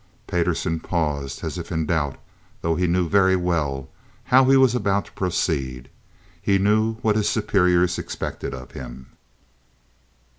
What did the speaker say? Payderson paused as if in doubt, though he knew very well how he was about to proceed. He knew what his superiors expected of him.